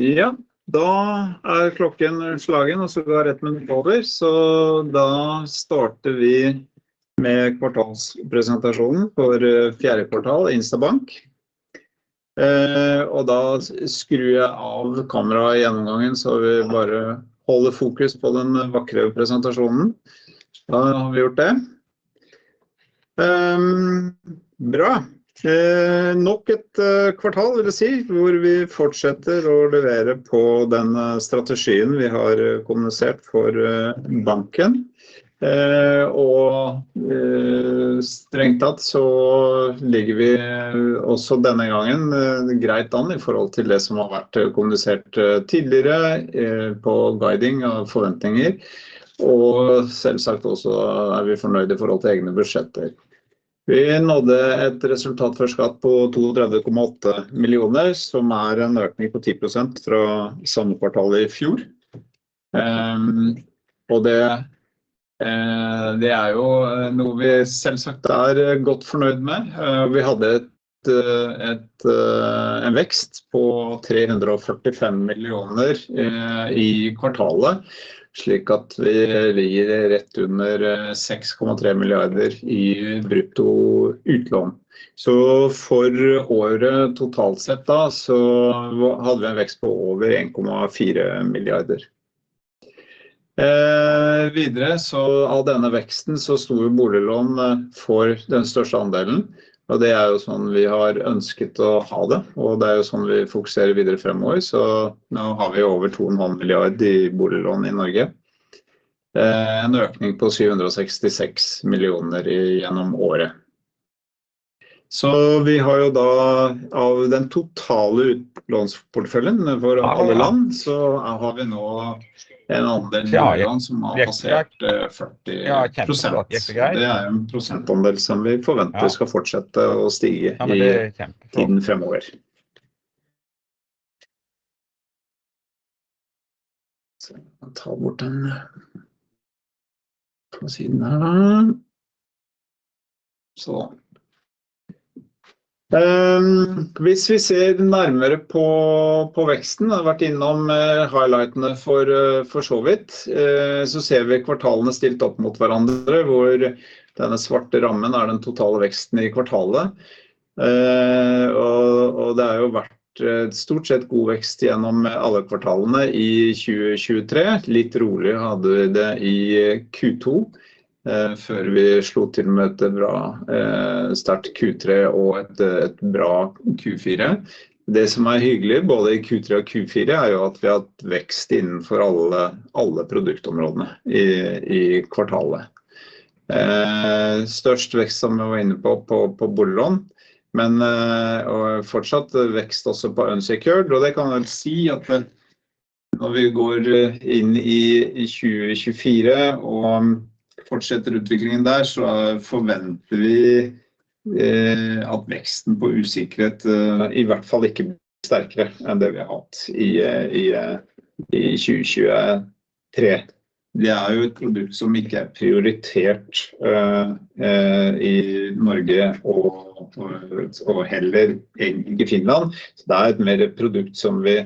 Ja, da er klokken slått, og så var rett med litt over. Så da starter vi med kvartalspresentasjonen for fjerde kvartal InstaBank. Og da skrur jeg av kameraet i gjennomgangen, så vi bare holder fokus på den vakre presentasjonen. Da har vi gjort det. Bra! Nok et kvartal vil jeg si, hvor vi fortsetter å levere på den strategien vi har kommunisert for banken. Og strengt tatt så ligger vi også denne gangen greit an i forhold til det som har vært kommunisert tidligere på guiding av forventninger. Og selvsagt også er vi fornøyd i forhold til egne budsjetter. Vi nådde et resultat før skatt på 32,8 millioner, som er en økning på 10% fra samme kvartalet i fjor. Og det er jo noe vi selvsagt er godt fornøyd med. Vi hadde en vekst på 345 millioner i kvartalet, slik at vi ligger rett under 6,3 milliarder i brutto utlån. For året totalt sett hadde vi en vekst på over 1,4 milliarder. Videre av denne veksten sto boliglån for den største andelen. Det er sånn vi har ønsket å ha det, og det er sånn vi fokuserer videre fremover. Nå har vi over 2,5 milliarder i boliglån i Norge, en økning på 766 millioner gjennom året. Vi har av den totale utlånsporteføljen for alle land nå en andel boliglån som har passert 40%. Det er en prosentandel som vi forventer skal fortsette å stige i tiden fremover. Hvis vi ser nærmere på veksten, har vært innom highlightene for så vidt, så ser vi kvartalene stilt opp mot hverandre, hvor den svarte rammen er den totale veksten i kvartalet. Det har jo vært stort sett god vekst gjennom alle kvartalene i 2023. Litt roligere hadde vi det i Q2 før vi slo til med et bra sterkt Q3 og et bra Q4. Det som er hyggelig både i Q3 og Q4, er jo at vi har hatt vekst innenfor alle produktområdene i kvartalet. Størst vekst som vi var inne på boliglån, men fortsatt vekst også på usikret. Og det kan vel si at når vi går inn i 2024 og fortsetter utviklingen der, så forventer vi at veksten på usikret i hvert fall ikke blir sterkere enn det vi har hatt i 2023. Det er jo et produkt som ikke er prioritert i Norge og heller ikke Finland. Så det er et mer produkt som vi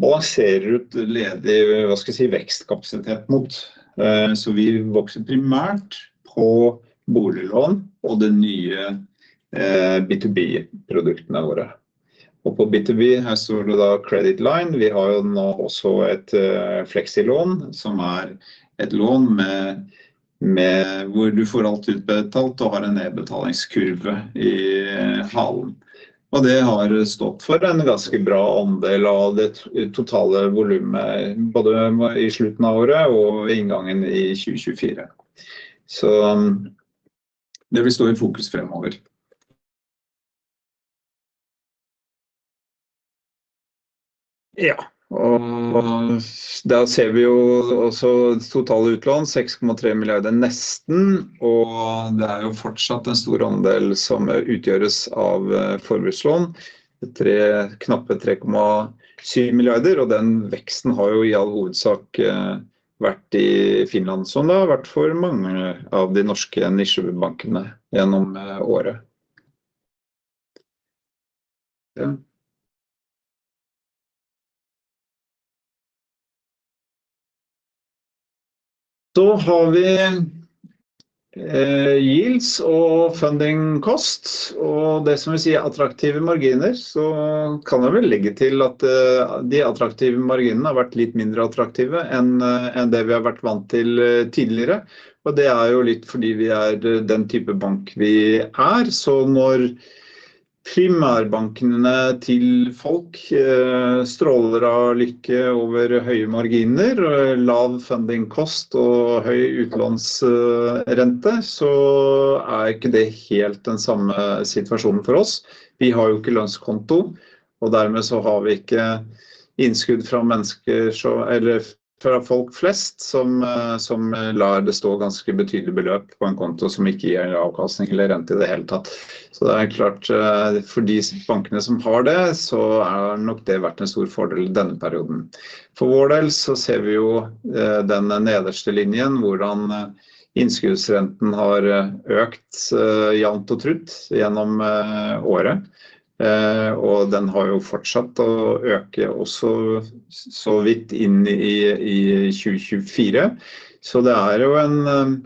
balanserer ut ledig, vekstkapasitet mot. Så vi vokser primært på boliglån og det nye B2B produktene våre. Og på B2B, her står det da credit line. Vi har jo nå også et fleksilån som er et lån med hvor du får alt utbetalt og har en nedbetalingskurve i halen. Og det har stått for en ganske bra andel av det totale volumet, både i slutten av året og ved inngangen i 2024. Så det vil stå i fokus fremover. Ja, og da ser vi jo også totale utlån. 6,3 milliarder nesten. Det er jo fortsatt en stor andel som utgjøres av forbrukslån. Tre, knappe 3,7 milliarder. Den veksten har jo i all hovedsak vært i Finland, som det har vært for mange av de norske nisjebankene gjennom året. Ja. Så har vi yields og funding cost og det som vi sier attraktive marginer. Så kan jeg vel legge til at de attraktive marginene har vært litt mindre attraktive enn det vi har vært vant til tidligere. Det er jo litt fordi vi er den type bank vi er. Så når primærbankene til folk stråler av lykke over høye marginer, lav funding cost og høy utlånsrente, så er ikke det helt den samme situasjonen for oss. Vi har jo ikke lønnskonto, og dermed så har vi ikke innskudd fra mennesker, eller fra folk flest som lar det stå ganske betydelige beløp på en konto som ikke gir avkastning eller rente i det hele tatt. Så det er klart, for de bankene som har det, så er nok det vært en stor fordel i denne perioden. For vår del så ser vi jo den nederste linjen hvordan innskuddsrenten har økt jevnt og trutt gjennom året. Og den har jo fortsatt å øke også så vidt inn i 2024. Så det er jo en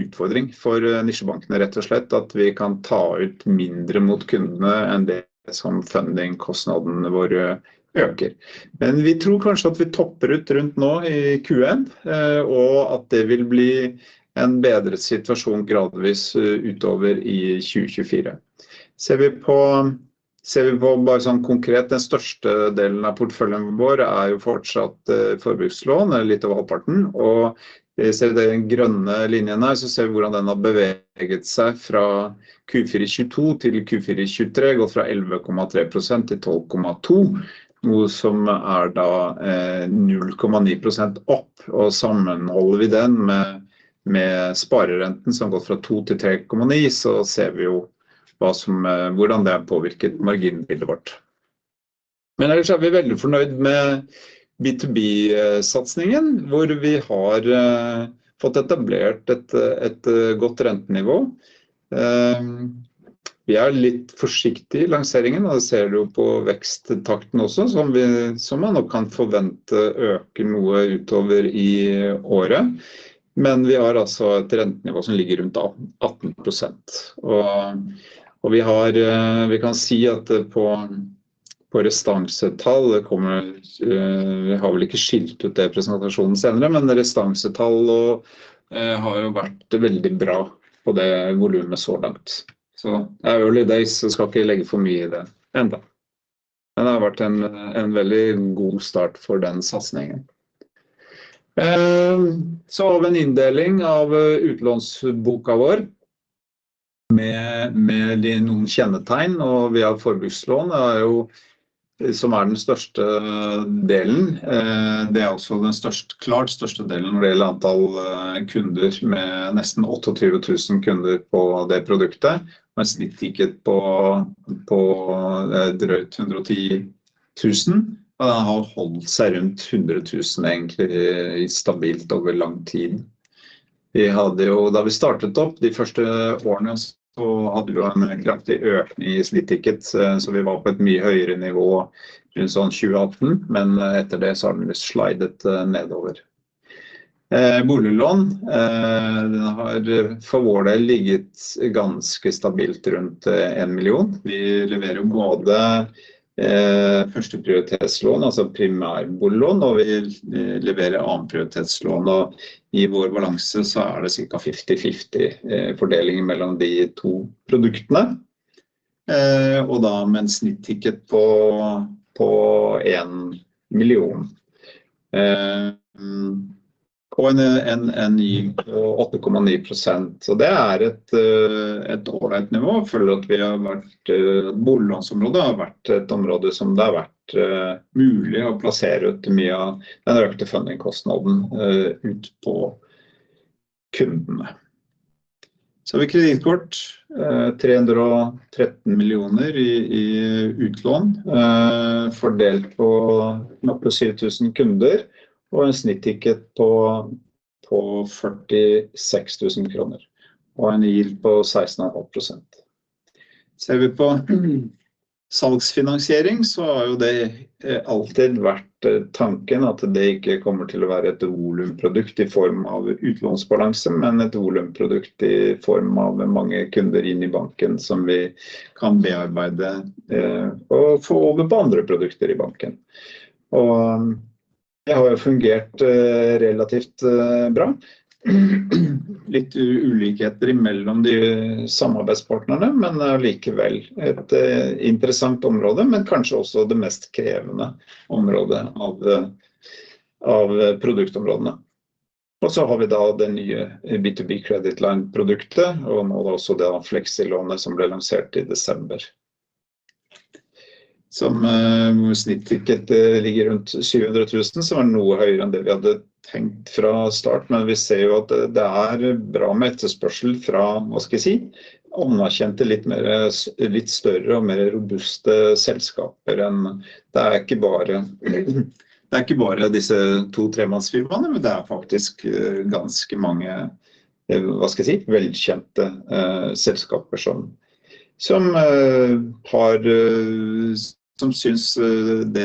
utfordring for nisjebankene, rett og slett at vi kan ta ut mindre mot kundene enn det som fundingkostnadene våre øker. Men vi tror kanskje at vi topper ut rundt nå i Q1, og at det vil bli en bedre situasjon gradvis utover i 2024. Ser vi på, ser vi på bare sånn konkret, den største delen av porteføljen vår er jo fortsatt forbrukslån, litt over halvparten. Vi ser den grønne linjen her. Så ser vi hvordan den har beveget seg fra Q4 2022 til Q4 2023, og fra 11,3% til 12,2%, noe som er da 0,9% opp. Sammenholder vi den med sparerenten som går fra 2% til 3,9%, så ser vi jo hva som, hvordan det har påvirket marginbildet vårt. Men ellers er vi veldig fornøyd med B2B-satsingen, hvor vi har fått etablert et godt rentenivå. Vi er litt forsiktig i lanseringen, og det ser du jo på veksttakten også, som vi, som man nok kan forvente øker noe utover i året. Men vi har altså et rentenivå som ligger rundt 18%, og vi har, vi kan si at på restansetall det kommer... vi har vel ikke skilt ut det i presentasjonen senere. Men restansetall har jo vært veldig bra på det volumet så langt, så det er jo litt det. Skal ikke legge for mye i det enda. Men det har vært en veldig god start for den satsingen. Vi har en inndeling av utlånsboka vår med de noen kjennetegn, og vi har forbrukslån. Det er jo den største delen. Det er altså den klart største delen når det gjelder antall kunder. Med nesten tjueåtte tusen kunder på det produktet med en snittticket på drøyt hundre og ti tusen. Og den har holdt seg rundt hundre tusen, egentlig stabilt over lang tid. Vi hadde jo da vi startet opp de første årene, så hadde vi jo en kraftig økning i snittticket, så vi var på et mye høyere nivå rundt tjueåtte. Men etter det så har den glidd nedover. Boliglån har for vår del ligget ganske stabilt rundt en million. Vi leverer både førsteprioritetslån, altså primærboliglån, og vi leverer annenprioritetslån. Og i vår balanse så er det cirka fifty-fifty fordeling mellom de to produktene med en snittticket på en million og en rente på 8,9%. Så det er et greit nivå. Føler at vi har vært boliglånsområdet har vært et område som det har vært mulig å plassere ut mye av den aktuelle fundingkostnaden ut på kundene. Så har vi kredittkort. 313 millioner i utlån, fordelt på knappe 7000 kunder og en snittstørrelse på 46000 kroner og en yield på 16,5%. Ser vi på salgsfinansiering så har jo det alltid vært tanken at det ikke kommer til å være et volumprodukt i form av utlånsbalanse, men et volumprodukt i form av mange kunder inn i banken som vi kan bearbeide og få over på andre produkter i banken. Det har jo fungert relativt bra. Litt ulikheter mellom samarbeidspartnerne, men det er allikevel et interessant område, men kanskje også det mest krevende området av produktområdene. Og så har vi da det nye B2B credit line produktet, og nå også det fleksilånet som ble lansert i desember. Som snittstikket ligger rundt NOK 700,000, som er noe høyere enn det vi hadde tenkt fra start. Men vi ser jo at det er bra med etterspørsel fra anerkjente, litt større og mer robuste selskaper enn... det er ikke bare disse to tre manns firmaene, men det er faktisk ganske mange velkjente selskaper som synes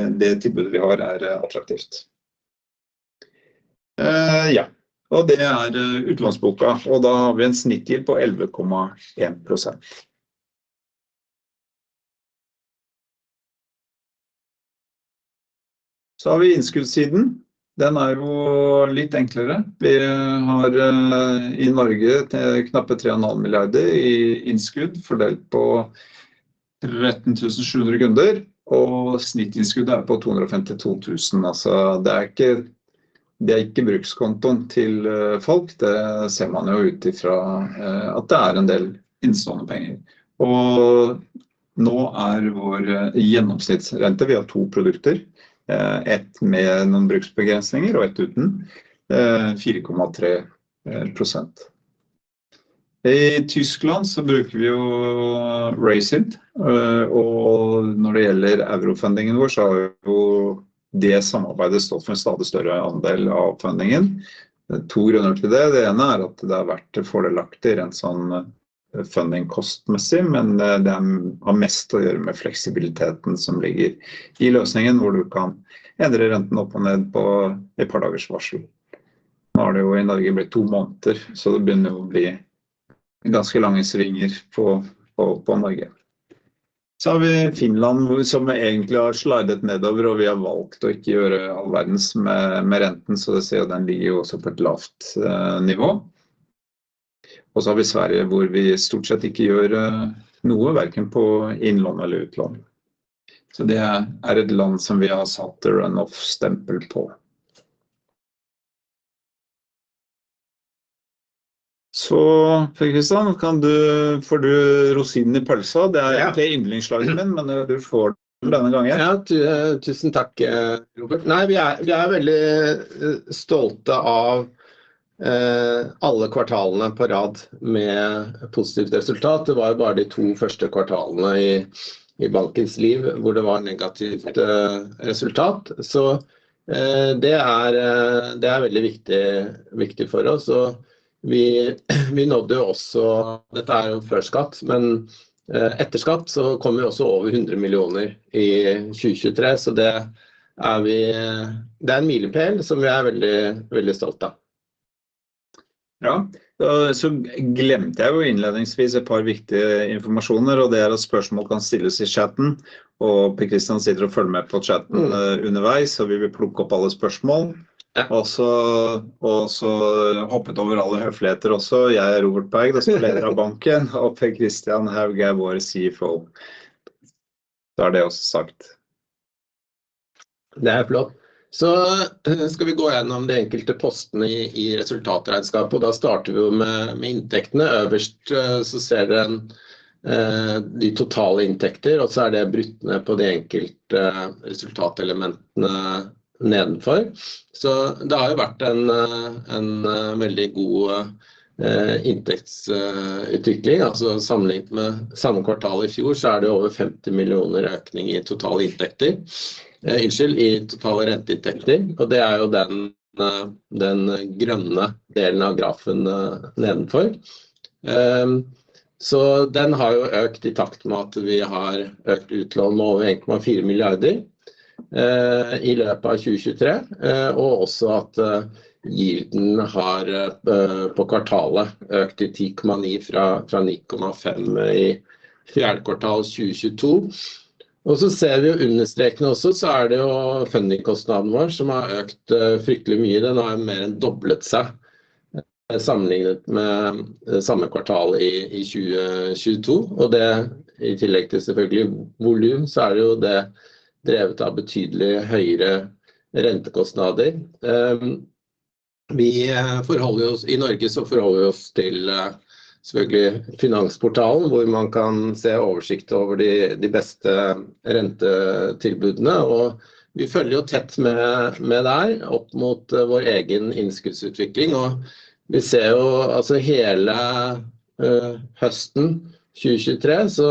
det tilbudet vi har er attraktivt. Ja, og det er utlånsboka, og da har vi en snittrente på 11.1%. Så har vi innskuddssiden. Den er jo litt enklere. Vi har i Norge knappe NOK 3.5 milliarder i innskudd, fordelt på 13,700 kunder. Og snittinnskuddet er på 252.000. Altså, det er ikke brukskontoen til folk. Det ser man jo ut ifra at det er en del innestående penger. Og nå er vår gjennomsnittsrente, vi har to produkter, ett med noen bruksbegrensninger og ett uten 4,3%. I Tyskland så bruker vi jo raiset. Og når det gjelder euro fundingen vår, så har jo det samarbeidet stått for en stadig større andel av fundingen. To grunner til det. Det ene er at det har vært fordelaktigere enn sånn. Funding kostmessig, men det har mest å gjøre med fleksibiliteten som ligger i løsningen hvor du kan endre renten opp og ned på et par dagers varsel. Nå har det jo i Norge blitt to måneder, så det begynner jo å bli ganske lange svinger på Norge. Så har vi Finland, som egentlig har sladdet nedover, og vi har valgt å ikke gjøre allverdens med renten. Så du ser jo den ligger jo også på et lavt nivå. Og så har vi Sverige, hvor vi stort sett ikke gjør noe verken på innlån eller utlån. Så det er et land som vi har satt et run off stempel på. Så Per Kristian, kan du få rosinen i pølsa? Det er egentlig yndlingslaget mitt, men du får den denne gangen. Ja, tusen takk, Robert! Nei, vi er veldig stolte av alle kvartalene på rad med positivt resultat. Det var bare de to første kvartalene i bankens liv hvor det var negativt resultat. Så det er veldig viktig for oss. Vi nådde jo også - dette er jo før skatt, men etter skatt så kom vi også over hundre millioner i 2023. Så det er en milepæl som vi er veldig, veldig stolt av. Ja, så glemte jeg jo innledningsvis et par viktige informasjoner, og det er at spørsmål kan stilles i chatten. Per Kristian sitter og følger med på chatten underveis, så vi vil plukke opp alle spørsmål. Ja. Og så hoppet over alle høfligheter også. Jeg er Robert Berg, Daglig Leder av banken, og Per Kristian Haug er vår CFO. Da er det også sagt. Det er flott! Så skal vi gå gjennom de enkelte postene i resultatregnskapet, og da starter vi med inntektene. Øverst så ser dere de totale inntekter, og så er det brutt ned på de enkelte resultatelementene nedenfor. Så det har vært en veldig god inntektsutvikling. Sammenlignet med samme kvartal i fjor så er det over 50 millioner i økning i totale renteinntekter. Det er den grønne delen av grafen nedenfor. Den har økt i takt med at vi har økt utlånene med over 1,4 milliarder i løpet av 2023. Også at yielden har på kvartalet økt til 10,9% fra 9,5% i fjerde kvartal 2022. Så ser vi også at det er fundingkostnaden vår som har økt fryktelig mye. Den har mer enn doblet seg sammenlignet med samme kvartal i 2022. Og det i tillegg til selvfølgelig volum, så er det jo det drevet av betydelig høyere rentekostnader. Vi forholder oss i Norge så forholder oss til selvfølgelig Finansportalen, hvor man kan se oversikt over de beste rentetilbudene. Vi følger jo tett med der opp mot vår egen innskuddsutvikling. Vi ser jo at så hele høsten 2023 så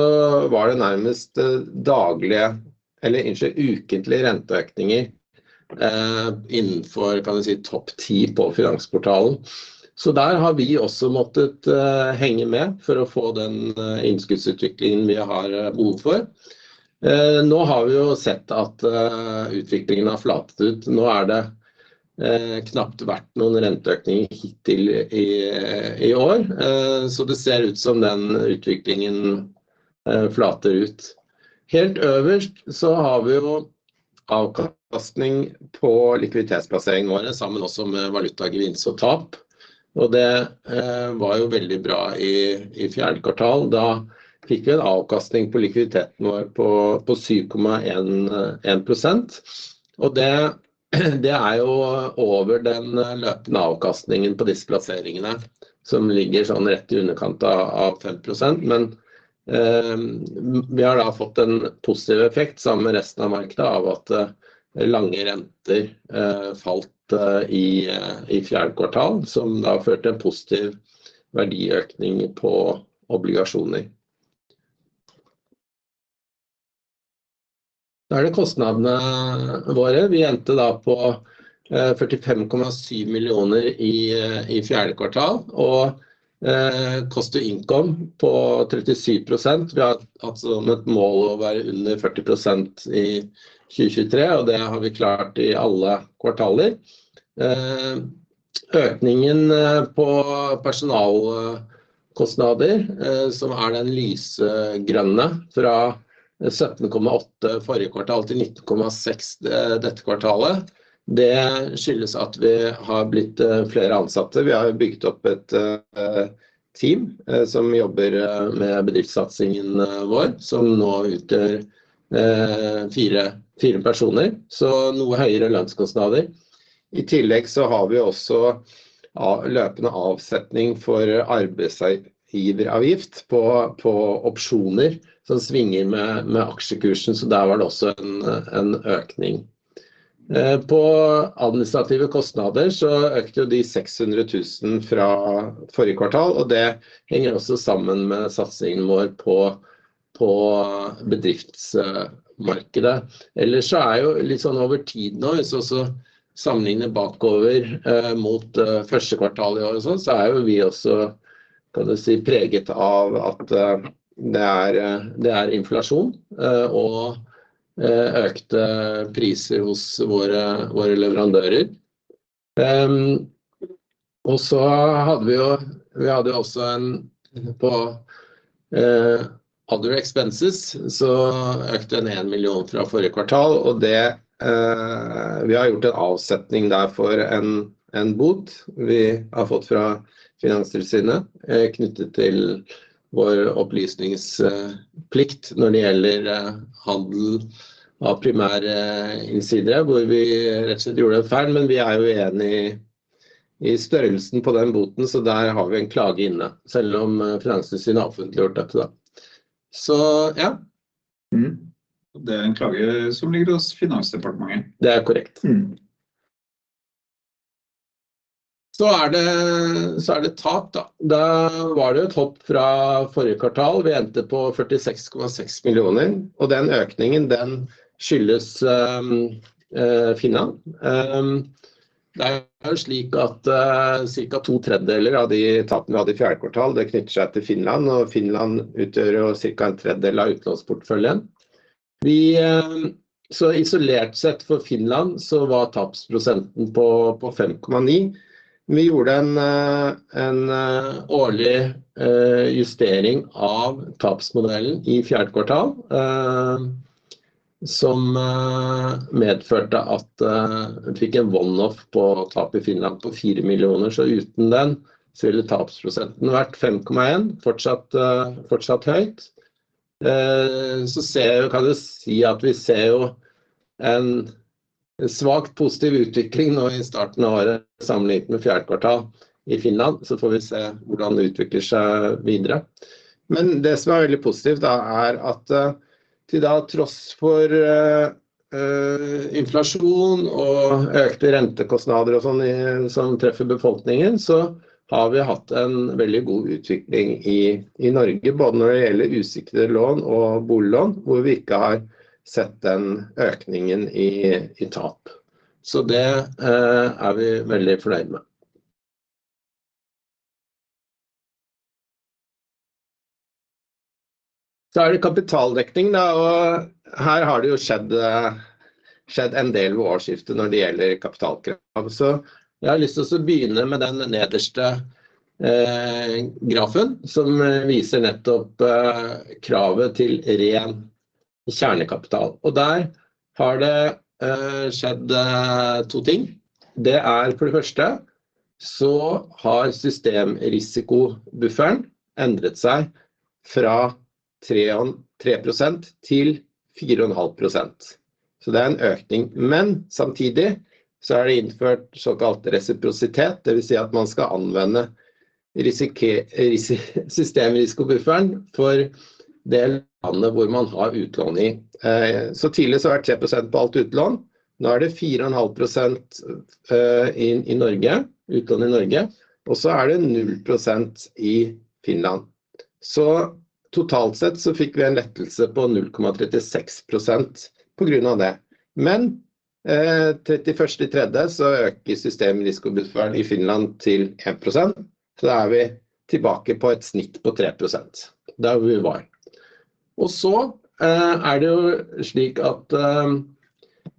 var det nærmest daglige eller ukentlige renteøkninger innenfor kan du si topp ti på Finansportalen. Så der har vi også måttet henge med for å få den innskuddsutviklingen vi har behov for. Nå har vi jo sett at utviklingen har flatet ut. Nå er det knapt vært noen renteøkninger hittil i år, så det ser ut som den utviklingen flater ut. Helt øverst så har vi jo avkastning på likviditetsplasseringene våre, sammen også med valutagevinster og tap. Og det var jo veldig bra i fjerde kvartal. Da fikk vi en avkastning på likviditeten vår på 7,1%. Og det er jo over den løpende avkastningen på disse plasseringene som ligger sånn rett i underkant av 5%. Men vi har da fått en positiv effekt sammen med resten av markedet av at lange renter falt i fjerde kvartal, som da førte til en positiv verdiøkning på obligasjoner. Da er det kostnadene våre. Vi endte da på 45,7 millioner i fjerde kvartal, og cost to income på 37%. Vi har hatt som et mål å være under 40% i 2023, og det har vi klart i alle kvartaler. Økningen på personalkostnader, som er den lysegrønne fra 17,8 forrige kvartal til 19,6 dette kvartalet, skyldes at vi har blitt flere ansatte. Vi har bygget opp et team som jobber med bedriftsatsingen vår, som nå utgjør fire personer, så noe høyere lønnskostnader. I tillegg så har vi også løpende avsetning for arbeidsgiveravgift på opsjoner som svinger med aksjekursen. Så der var det også en økning. På administrative kostnader så økte de 600.000 fra forrige kvartal, og det henger også sammen med satsingen vår på bedriftsmarkedet. Ellers så er jeg litt over tiden nå, hvis jeg også sammenligner bakover mot første kvartal i år, så er vi også preget av at det er inflasjon og økte priser hos våre leverandører. Og så hadde vi jo, vi hadde jo også en på other expenses, så økte den en million fra forrige kvartal. Og det, vi har gjort en avsetning der for en bot vi har fått fra Finanstilsynet knyttet til vår opplysningsplikt når det gjelder handel av primærinsidere, hvor vi rett og slett gjorde en feil. Men vi er jo uenig i størrelsen på den boten, så der har vi en klage inne. Selv om Finanstilsynet har offentliggjort dette da. Mm. Det er en klage som ligger hos Finansdepartementet. Det er korrekt. Mm. Så er det tap da. Da var det jo et hopp fra forrige kvartal. Vi endte på 46,6 millioner, og den økningen skyldes Finland. Det er jo slik at cirka to tredjedeler av de tapene vi hadde i fjerde kvartal, det knytter seg til Finland og Finland utgjør cirka en tredjedel av utlånsporteføljen. Så isolert sett for Finland, så var tapsprosenten på 5,9%. Men vi gjorde en årlig justering av tapsmodellen i fjerde kvartal, som medførte at vi fikk en one-off på tap i Finland på fire millioner. Så uten den så ville tapsprosenten vært 5,1%. Fortsatt høyt. Så kan du si at vi ser jo en svakt positiv utvikling nå i starten av året sammenlignet med fjerde kvartal i Finland. Så får vi se hvordan det utvikler seg videre. Men det som er veldig positivt da, er at til tross for inflasjon og økte rentekostnader og sånn som treffer befolkningen, så har vi hatt en veldig god utvikling i Norge, både når det gjelder usikrede lån og boliglån, hvor vi ikke har sett den økningen i tap. Så det er vi veldig fornøyd med. Så er det kapitaldekning da, og her har det jo skjedd en del ved årsskiftet når det gjelder kapitalkrav. Så jeg har lyst til å begynne med den nederste grafen som viser nettopp kravet til ren kjernekapital. Og der har det skjedd to ting. Det er for det første så har systemrisikobufferen endret seg fra 3,5% til 4,5%. Så det er en økning. Men samtidig så er det innført såkalt resiprositet. Det vil si at man skal anvende systemrisikobufferen for det landet hvor man har utlån i. Så tidligere har det vært 3% på alt utlån. Nå er det 4,5% i Norge, utlån i Norge, og så er det 0% i Finland. Så totalt sett så fikk vi en lettelse på 0,36% på grunn av det. Men 31. i tredje så øker systemrisikobufferen i Finland til 1%. Så da er vi tilbake på et snitt på 3%. Der hvor vi var. Og så er det jo slik at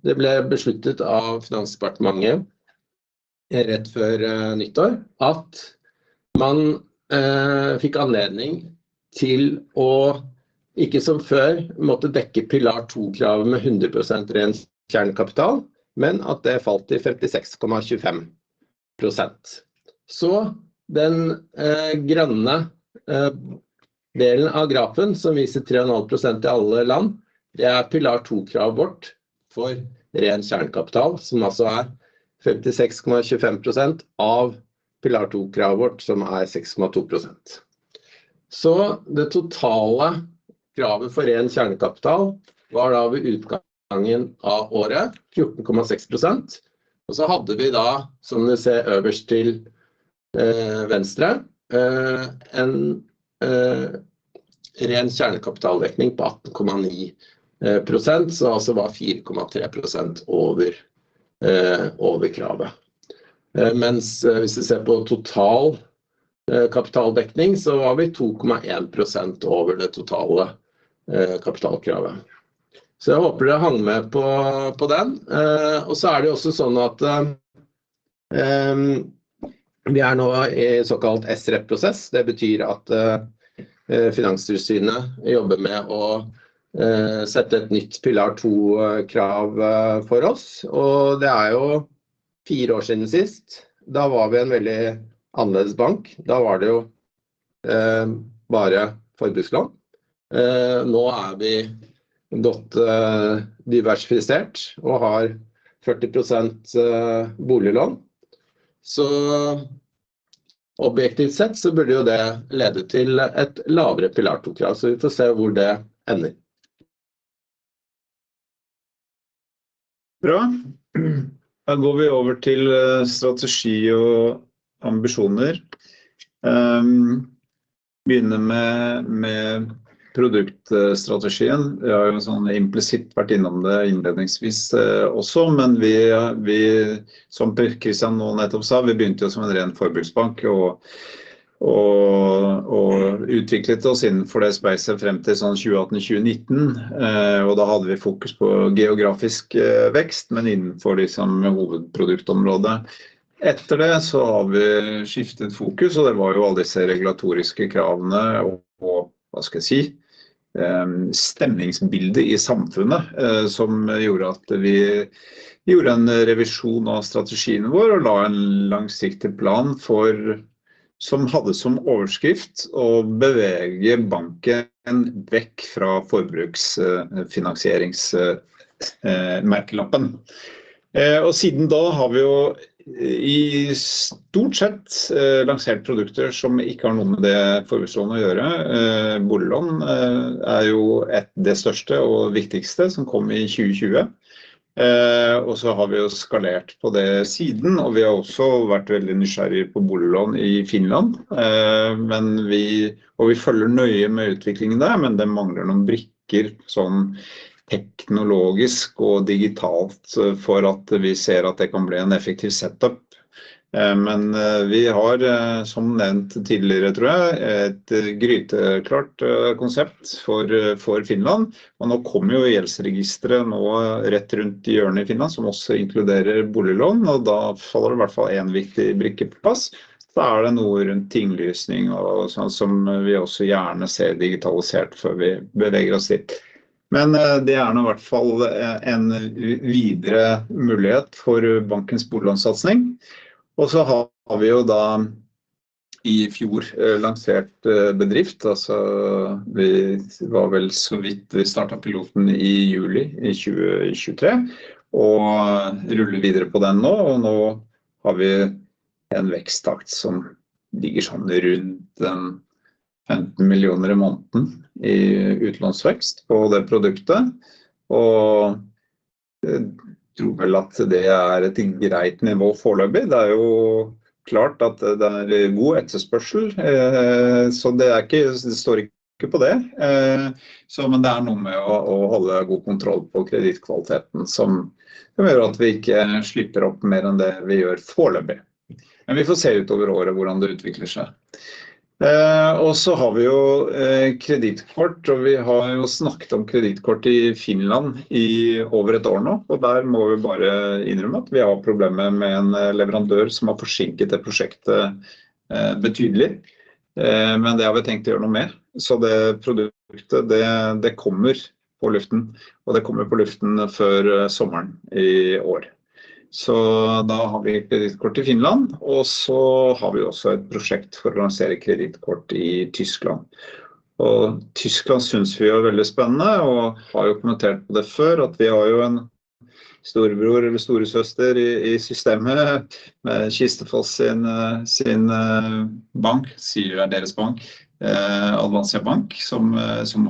det ble besluttet av Finansdepartementet rett før nyttår at man fikk anledning til å ikke som før måtte dekke pilar to kravet med 100% ren kjernekapital, men at det falt til 56,25%. Så den grønne delen av grafen som viser 3,5% i alle land. Det er pilar to kravet vårt for ren kjernekapital, som altså er 56,25% av pilar to kravet vårt, som er 6,2%. Så det totale kravet for ren kjernekapital var da ved utgangen av året 14,6%. Og så hadde vi da, som du ser øverst til venstre, en ren kjernekapitaldekning på 18,9%, så altså var 4,3% over kravet. Mens hvis vi ser på total kapitaldekning, så var vi 2,1% over det totale kapitalkravet. Så jeg håper du hang med på den. Og så er det jo også sånn at vi er nå i en såkalt SREP prosess. Det betyr at Finanstilsynet jobber med å sette et nytt pilar to krav for oss. Og det er jo fire år siden sist. Da var vi en veldig annerledes bank. Da var det jo bare forbrukslån. Nå er vi godt diversifisert og har 40% boliglån. Så objektivt sett så burde jo det lede til et lavere pilar to krav, så vi får se hvor det ender. Bra! Da går vi over til strategi og ambisjoner. Begynner med produktstrategien. Vi har jo sånn implisitt vært innom det innledningsvis også, men vi, som Per Kristian nå nettopp sa, vi begynte jo som en ren forbruksbank og utviklet oss innenfor det spekteret frem til sånn 2018, 2019. Og da hadde vi fokus på geografisk vekst, men innenfor de samme hovedproduktområdene. Etter det så har vi skiftet fokus, og det var jo alle disse regulatoriske kravene og stemningsbildet i samfunnet som gjorde at vi gjorde en revisjon av strategien vår og la en langsiktig plan for, som hadde som overskrift å bevege banken vekk fra forbruksfinansierings-merkelappen. Og siden da har vi jo i stort sett lansert produkter som ikke har noe med det forbrukslånet å gjøre. Boliglån er jo det største og viktigste som kom i 2020. Og så har vi jo skalert på det siden, og vi har også vært veldig nysgjerrig på boliglån i Finland. Men vi følger nøye med i utviklingen der. Men det mangler noen brikker sånn teknologisk og digitalt for at vi ser at det kan bli en effektiv setup. Men vi har som nevnt tidligere tror jeg, et gryteklart konsept for Finland. Og nå kommer jo gjeldsregisteret nå rett rundt hjørnet i Finland, som også inkluderer boliglån. Og da faller i hvert fall en viktig brikke på plass. Så er det noe rundt tinglysning og sånn som vi også gjerne ser digitalisert før vi beveger oss dit. Men det er nå i hvert fall en videre mulighet for bankens boliglånssatsing. Og så har vi jo da i fjor lansert bedrift. Altså, vi var vel så vidt vi startet piloten i juli i 2023 og ruller videre på den nå. Og nå har vi en veksttakt som ligger sånn rundt NOK 15 millioner i måneden i utlånsvekst på det produktet. Og jeg tror vel at det er et greit nivå foreløpig. Det er jo klart at det er god etterspørsel, så det er ikke, det står ikke på det. Men det er noe med å holde god kontroll på kredittkvaliteten som gjør at vi ikke slipper opp mer enn det vi gjør foreløpig. Men vi får se utover året hvordan det utvikler seg. Og så har vi jo kredittkort, og vi har jo snakket om kredittkort i Finland i over et år nå. Og der må vi bare innrømme at vi har problemer med en leverandør som har forsinket det prosjektet betydelig. Men det har vi tenkt å gjøre noe med. Så det produktet kommer på luften, og det kommer på luften før sommeren i år. Så da har vi kredittkort i Finland. Og så har vi også et prosjekt for å lansere kredittkort i Tyskland. Og Tyskland synes vi er veldig spennende og har kommentert på det før. At vi har en storebror eller storesøster i systemet med Kistefos sin bank, deres bank, Avanza Bank, som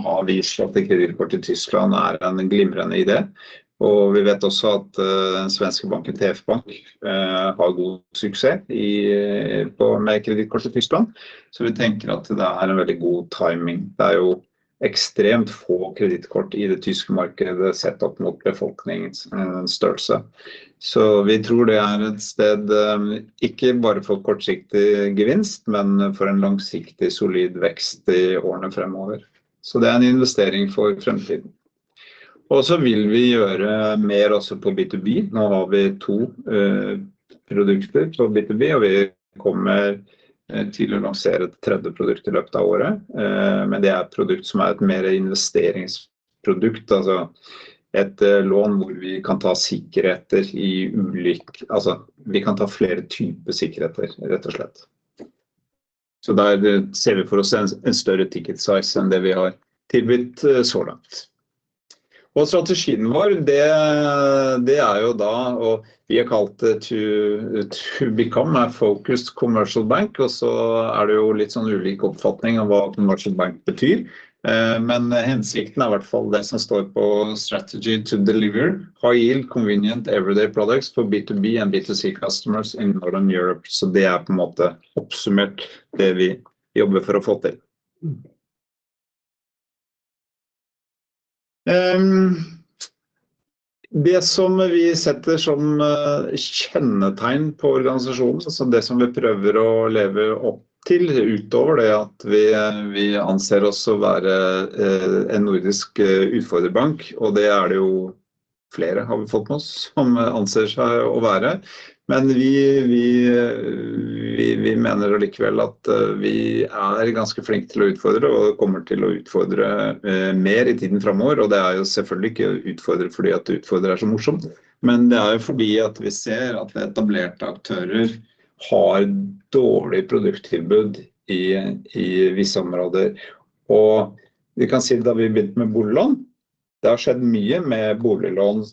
har vist at kredittkort i Tyskland er en glimrende idé. Og vi vet også at den svenske banken TF Bank har god suksess med kredittkort i Tyskland, så vi tenker at det er en veldig god timing. Det er jo ekstremt få kredittkort i det tyske markedet sett opp mot befolkningens størrelse, så vi tror det er et sted, ikke bare for kortsiktig gevinst, men for en langsiktig solid vekst i årene fremover. Det er en investering for fremtiden. Vi vil gjøre mer også på B2B. Nå har vi to produkter på B2B, og vi kommer til å lansere et tredje produkt i løpet av året. Men det er et produkt som er et mer investeringsprodukt, et lån hvor vi kan ta sikkerheter i ulike... vi kan ta flere typer sikkerheter, rett og slett. Der ser vi for oss en større ticket size enn det vi har tilbudt så langt. Strategien vår er å bli en fokusert forretningsbank. Og så er det jo litt sånn ulik oppfatning av hva commercial bank betyr. Men hensikten er i hvert fall det som står på strategy to deliver high yield convenient everyday products for B2B and B2C customers i Northern Europe. Så det er på en måte oppsummert det vi jobber for å få til. Det som vi setter som kjennetegn på organisasjonen, altså det som vi prøver å leve opp til. Utover det at vi anser oss å være en nordisk utfordrerbank, og det er det jo flere har vi fått med oss som anser seg å være. Men vi mener allikevel at vi er ganske flinke til å utfordre og kommer til å utfordre mer i tiden fremover. Og det er jo selvfølgelig ikke utfordre fordi at det å utfordre er så morsomt, men det er jo fordi at vi ser at etablerte aktører har dårlig produkttilbud i visse områder, og vi kan si det da vi begynte med boliglån. Det har skjedd mye med boliglån,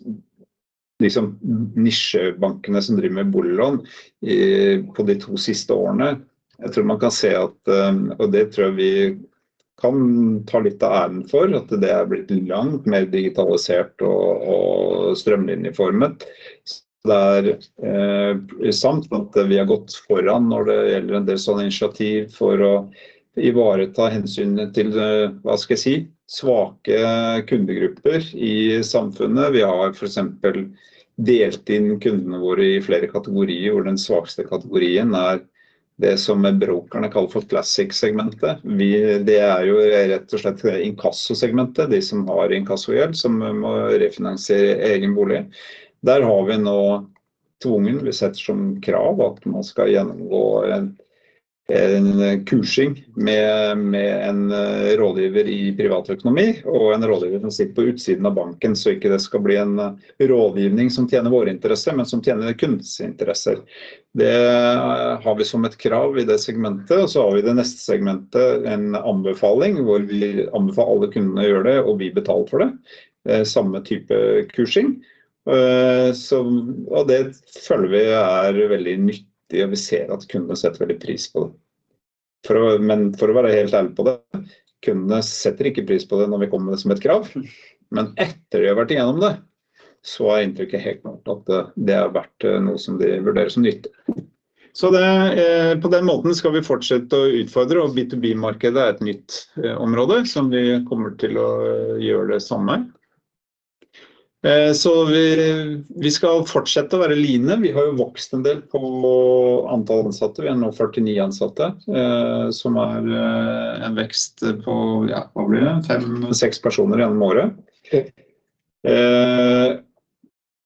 liksom nisjebankene som driver med boliglån på de to siste årene. Jeg tror man kan se at og det tror jeg vi kan ta litt av æren for at det er blitt langt mer digitalisert og strømlinjeformet. Det er sant at vi har gått foran når det gjelder en del sånne initiativ for å ivareta hensynet til, hva skal jeg si, svake kundegrupper i samfunnet. Vi har for eksempel delt inn kundene våre i flere kategorier, hvor den svakeste kategorien er det som meglerne kaller for classic segmentet. Vi, det er jo rett og slett inkassosegmentet, de som har inkassogjeld som må refinansiere egen bolig. Der har vi nå tvungent vi setter som krav at man skal gjennomgå en kursing med en rådgiver i privatøkonomi og en rådgiver som sitter på utsiden av banken, så ikke det skal bli en rådgivning som tjener våre interesser, men som tjener kundens interesser. Det har vi som et krav i det segmentet. Og så har vi det neste segmentet, en anbefaling hvor vi anbefaler alle kundene å gjøre det, og vi betaler for det. Samme type kursing som, og det føler vi er veldig nyttig, og vi ser at kundene setter veldig pris på det. Men for å være helt ærlig på det, kundene setter ikke pris på det når vi kommer med det som et krav. Men etter de har vært igjennom det, så er inntrykket helt klart at det har vært noe som de vurderer som nyttig. Så det på den måten skal vi fortsette å utfordre. Og B2B-markedet er et nytt område som vi kommer til å gjøre det samme. Så vi skal fortsette å være lean. Vi har jo vokst en del på antall ansatte. Vi er nå førtini ansatte, som er en vekst på ja, hva blir det? Fem, seks personer gjennom året.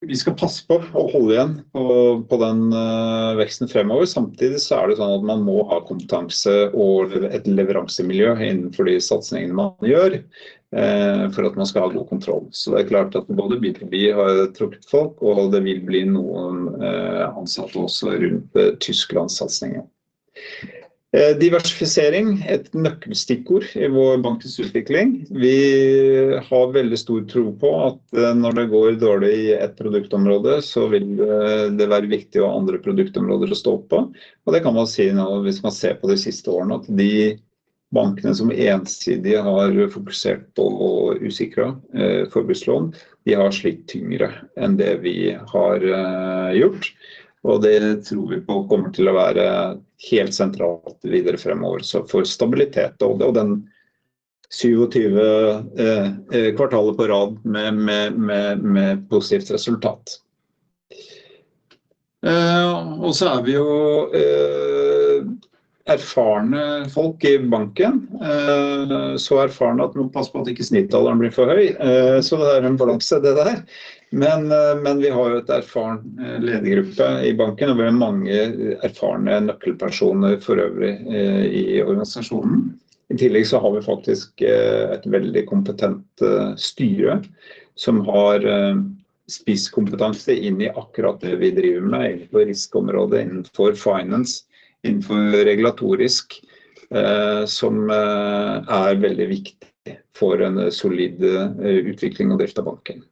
Vi skal passe på å holde igjen på den veksten fremover. Samtidig så er det sånn at man må ha kompetanse og et leveransemiljø innenfor de satsingene man gjør, for at man skal ha god kontroll. Så det er klart at både B2B har trukket folk og det vil bli noen ansatte også rundt Tysklandssatsingen. Diversifisering er et nøkkelstikkord i vår bankens utvikling. Vi har veldig stor tro på at når det går dårlig i ett produktområde, så vil det være viktig å ha andre produktområder å stå på. Det kan man si nå hvis man ser på de siste årene, at de bankene som ensidig har fokusert på usikret forbrukslån, de har slitt tyngre enn det vi har gjort, og det tror vi på kommer til å være helt sentralt videre fremover. Så for stabilitet og den syv og tyve kvartalet på rad med positivt resultat. Så er vi erfarne folk i banken. Så erfarne at man passer på at ikke snittaleren blir for høy. Så det er en balanse det der. Men vi har jo et erfaren ledergruppe i banken, og vi har mange erfarne nøkkelpersoner forøvrig i organisasjonen. I tillegg så har vi faktisk et veldig kompetent styre som har spisskompetanse inn i akkurat det vi driver med innenfor risikoområdet, innenfor finance, innenfor regulatorisk, som er veldig viktig for en solid utvikling og drift av banken.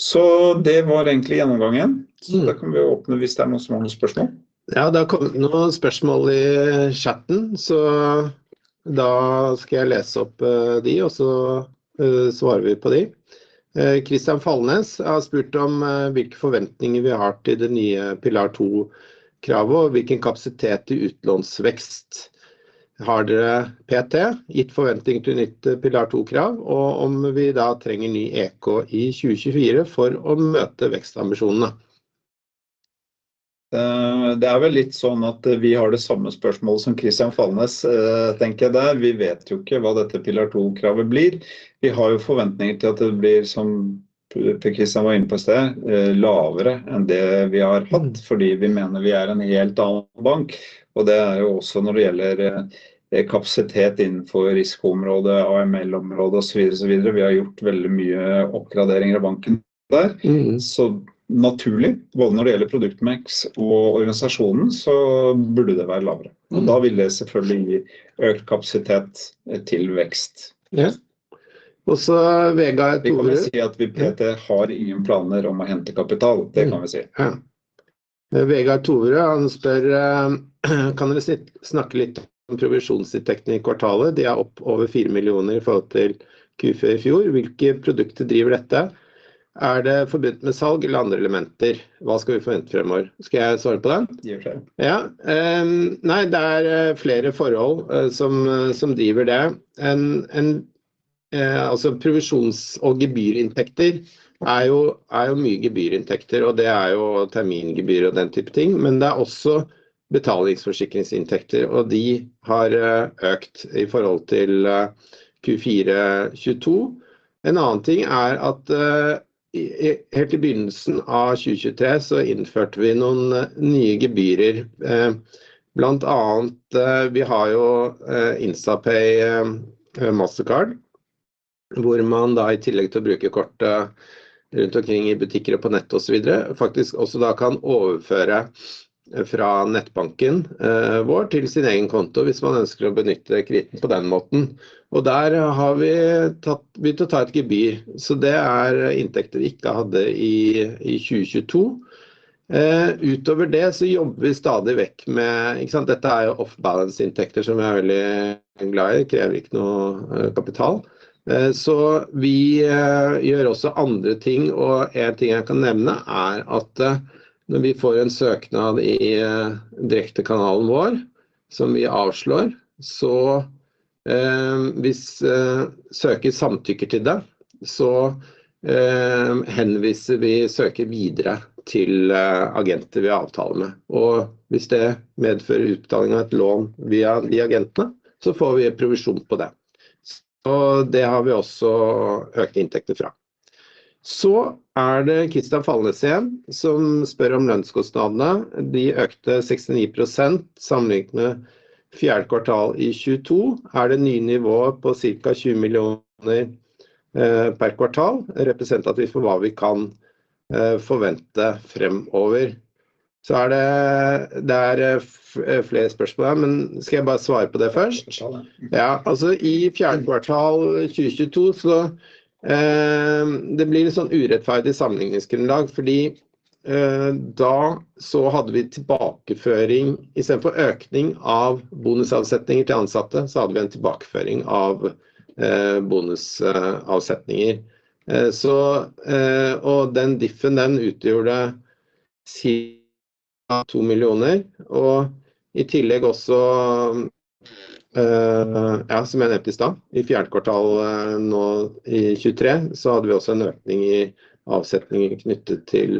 Så det var egentlig gjennomgangen. Så da kan vi åpne hvis det er noen som har noen spørsmål. Ja, det har kommet noen spørsmål i chatten, så da skal jeg lese opp de, og så svarer vi på de. Christian Falnes har spurt om hvilke forventninger vi har til det nye Pilar 2-kravet, og hvilken kapasitet i utlånsvekst har dere per i dag, gitt forventning til nytt Pilar 2-krav, og om vi da trenger ny EK i 2024 for å møte vekstambisjonene. Det er vel litt sånn at vi har det samme spørsmålet som Christian Falnes, tenker jeg der. Vi vet jo ikke hva dette Pilar II-kravet blir. Vi har jo forventninger til at det blir som Per Kristian var inne på i sted, lavere enn det vi har hatt, fordi vi mener vi er en helt annen bank. Det er jo også når det gjelder kapasitet innenfor risikoområdet, AML-området og så videre og så videre. Vi har gjort veldig mye oppgraderinger i banken der. Mhm. Så naturlig, både når det gjelder produktmiks og organisasjonen, så burde det være lavere. Mhm. Og da vil det selvfølgelig gi økt kapasitet til vekst. Ja. Og så Vegard-- Vi kan jo si at vi per i dag har ingen planer om å hente kapital. Det kan vi si. Ja. Vegard Torø, han spør: Kan dere snakke litt om provisjonsinntektene i kvartalet? De er opp over fire millioner i forhold til Q4 i fjor. Hvilke produkter driver dette? Er det forbundet med salg eller andre elementer? Hva skal vi forvente fremover? Skal jeg svare på det? Gjør det. Ja. Nei, det er flere forhold som driver det. Provisjons- og gebyrinntekter er jo mye gebyrinntekter, og det er jo termingebyret og den type ting. Men det er også betalingsforsikringsinntekter, og de har økt i forhold til Q4 2022. En annen ting er at helt i begynnelsen av 2023 så innførte vi noen nye gebyrer, blant annet vi har jo Instapay Mastercard, hvor man da i tillegg til å bruke kortet rundt omkring i butikker og på nett og så videre, faktisk også da kan overføre fra nettbanken vår til sin egen konto hvis man ønsker å benytte kreditten på den måten. Og der har vi begynt å ta et gebyr, så det er inntekter vi ikke hadde i 2022. Utover det så jobber vi stadig vekk med, ikke sant? Dette er jo off balance inntekter som vi er veldig glad i. Krever ikke noe kapital. Så vi gjør også andre ting. En ting jeg kan nevne er at når vi får en søknad i direktekanalen vår, som vi avslår, så hvis søker samtykker til det, så henviser vi søker videre til agenter vi har avtale med, og hvis det medfører utbetaling av et lån via de agentene, så får vi provisjon på det. Det har vi også økte inntekter fra. Så er det Christian Fallnes igjen som spør om lønnskostnadene. De økte 69% sammenlignet med fjerde kvartal i 2022. Er det nye nivået på cirka 20 millioner per kvartal representativ for hva vi kan forvente fremover? Så er det, det er flere spørsmål her, men skal jeg bare svare på det først? Ja, altså i fjerde kvartal 2022, så det blir litt sånn urettferdig sammenligningsgrunnlag, fordi da så hadde vi tilbakeføring istedenfor økning av bonusavsetninger til ansatte, så hadde vi en tilbakeføring av bonusavsetninger. Så den diffen, den utgjorde cirka NOK 2 millioner. I tillegg også, ja, som jeg nevnte i stad, i fjerde kvartal, nå i 2023, så hadde vi også en økning i avsetninger knyttet til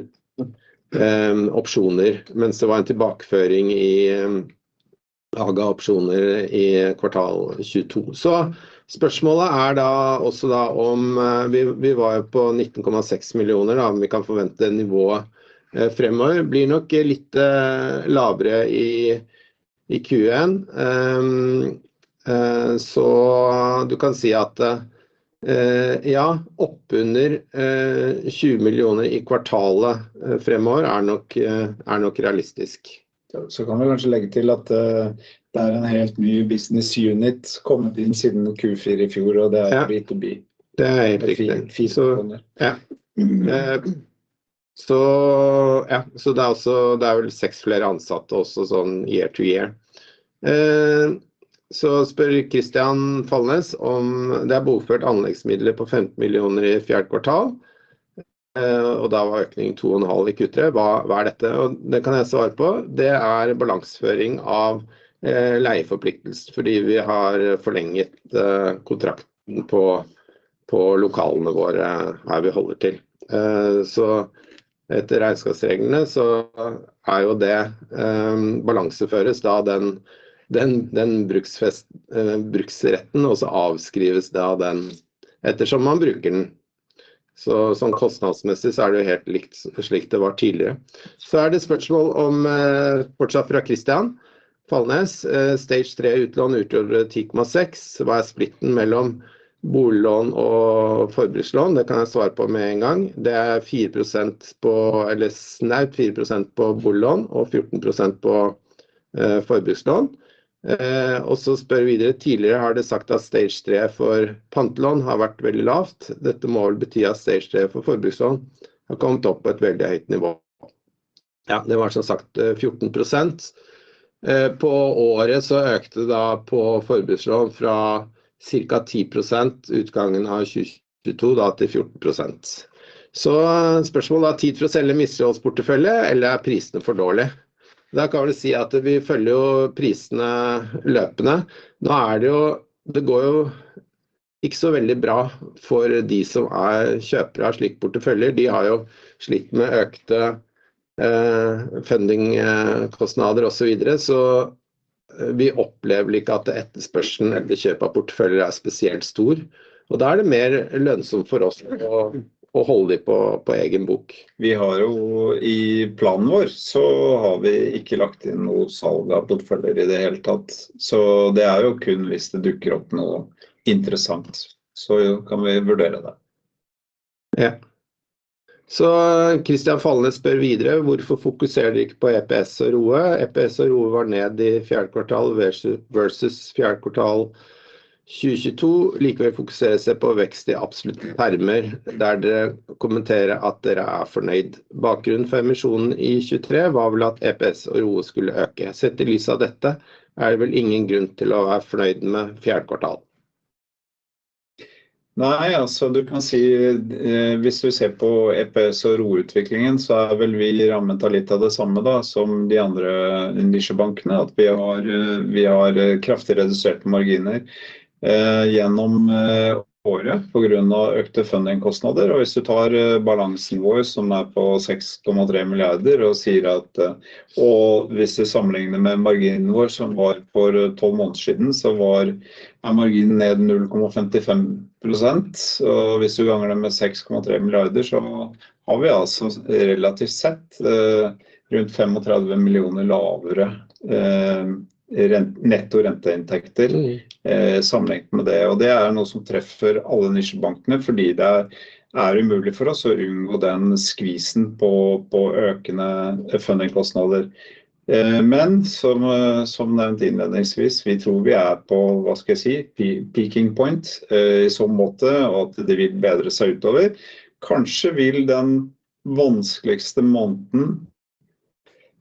opsjoner, mens det var en tilbakeføring i lager av opsjoner i kvartal 2022. Så spørsmålet er da også om vi, vi var jo på NOK 19,6 millioner da, om vi kan forvente nivået fremover. Blir nok litt lavere i Q1. Så du kan si at, ja, oppunder NOK 20 millioner i kvartalet fremover er nok realistisk. Så kan vi kanskje legge til at det er en helt ny business unit kommet inn siden Q4 i fjor, og det er B2B. Det er helt riktig. Fin så det. Ja. Så ja, så det er også, det er vel seks flere ansatte også sånn year to year. Så spør Christian Fallnes om det er bokført anleggsmidler på 15 millioner i fjerde kvartal, og da var økningen 2,5 i Q3. Hva, hva er dette? Det kan jeg svare på. Det er balanseføring av leieforpliktelse fordi vi har forlenget kontrakten på lokalene våre her vi holder til. Så etter regnskapsreglene så er jo det balanseføres da den bruksretten og så avskrives da den ettersom man bruker den. Så sånn kostnadsmessig så er det jo helt likt slik det var tidligere. Så er det spørsmål om fortsatt fra Christian Fallnes. Stage tre utlån utgjorde 10,6. Hva er splitten mellom boliglån og forbrukslån? Det kan jeg svare på med en gang. Det er 4% på, eller snaut 4% på boliglån og 14% på forbrukslån. Og så spør videre: Tidligere har det sagt at stage tre for pantelån har vært veldig lavt. Dette må vel bety at stage tre for forbrukslån har kommet opp på et veldig høyt nivå. Ja, det var som sagt 14%. På året så økte det da på forbrukslån fra cirka 10% utgangen av 2022 da til 14%. Så spørsmålet da: Tid for å selge misligholdsportefølje eller er prisene for dårlig? Da kan vi si at vi følger jo prisene løpende. Nå er det jo, det går jo ikke så veldig bra for de som er kjøpere av slike porteføljer. De har jo slitt med økte fundingkostnader og så videre, så vi opplever ikke at etterspørselen etter kjøp av porteføljer er spesielt stor. Og da er det mer lønnsomt for oss å holde de på egen bok. Vi har jo i planen vår, så har vi ikke lagt inn noe salg av porteføljer i det hele tatt. Så det er kun hvis det dukker opp noe interessant, så kan vi vurdere det. Ja. Så Christian Fallnes spør videre: Hvorfor fokuserer dere ikke på EPS og ROE? EPS og ROE var ned i fjerde kvartal versus fjerde kvartal 2022. Likevel fokuserer dere på vekst i absolutte termer, der dere kommenterer at dere er fornøyd. Bakgrunnen for emisjonen i 2023 var vel at EPS og ROE skulle øke. Sett i lys av dette er det vel ingen grunn til å være fornøyd med fjerde kvartal. Nei, altså, du kan si hvis du ser på EPS og ROE utviklingen så er vel vi rammet av litt av det samme da som de andre nisjebankene at vi har kraftig reduserte marginer gjennom året på grunn av økte fundingkostnader. Og hvis du tar balansen vår, som er på 6,3 milliarder og sier at, og hvis du sammenligner med marginen vår som var for tolv måneder siden, så var, er marginen ned 0,55%. Og hvis du ganger det med 6,3 milliarder, så har vi altså relativt sett rundt 35 millioner lavere netto renteinntekter sammenlignet med det. Og det er noe som treffer alle nisjebankene fordi det er umulig for oss å unngå den skvisen på økende fundingkostnader. Men som nevnt innledningsvis, vi tror vi er på peaking point i så måte at det vil bedre seg utover. Kanskje vil den vanskeligste måneden...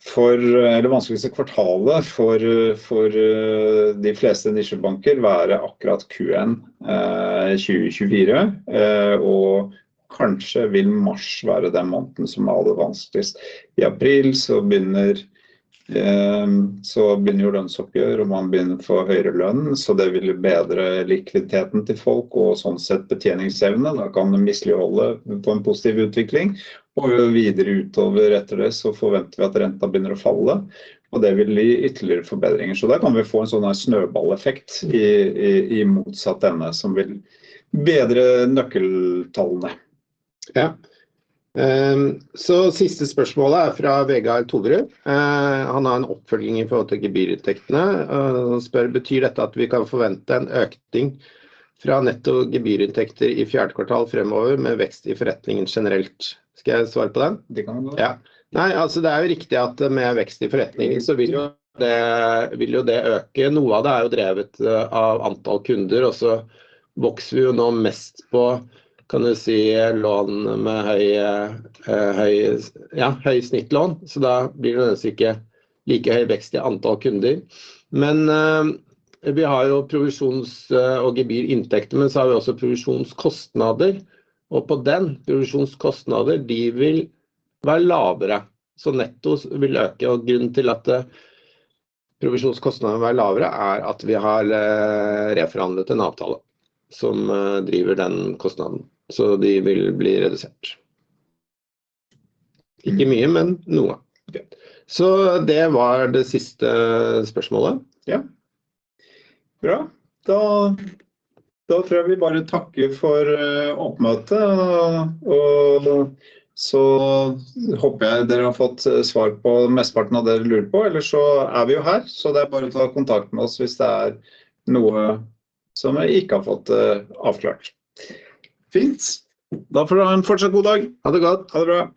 For det vanskeligste kvartalet for de fleste nisjebanker være akkurat Q1 2024. Og kanskje vil mars være den måneden som er aller vanskeligst. I april så begynner lønnsoppgjøret og man begynner å få høyere lønn, så det vil bedre likviditeten til folk og sånn sett betjeningsevne. Da kan de misligholde på en positiv utvikling. Og videre utover etter det så forventer vi at renten begynner å falle, og det vil gi ytterligere forbedringer. Så der kan vi få en sånn snøballeffekt i motsatt ende som vil bedre nøkkeltallene. Ja. Så siste spørsmålet er fra Vegard Tolrud. Han har en oppfølging i forhold til gebyrinntektene og spør: Betyr dette at vi kan forvente en økning fra netto gebyrinntekter i fjerde kvartal fremover, med vekst i forretningen generelt? Skal jeg svare på den? Det kan du godt. Ja. Nei, altså, det er jo riktig at med vekst i forretningen så vil jo det øke. Noe av det er jo drevet av antall kunder. Og så vokser vi jo nå mest på kan du si lån med høy snittlån. Så da blir det nødvendigvis ikke like høy vekst i antall kunder. Men vi har jo provisjons- og gebyrinntekter. Men så har vi også provisjonskostnader, og på den provisjonskostnader, de vil være lavere, så netto vil øke. Og grunnen til at provisjonskostnadene vil være lavere er at vi har reforhandlet en avtale som driver den kostnaden, så de vil bli redusert. Ikke mye, men noe. Så det var det siste spørsmålet. Ja, bra da! Da tror jeg vi bare takker for oppmøtet, og så håper jeg dere har fått svar på mesteparten av det dere lurer på. Ellers så er vi jo her, så det er bare å ta kontakt med oss hvis det er noe som vi ikke har fått avklart. Fint! Da får du ha en fortsatt god dag. Ha det godt. Ha det bra.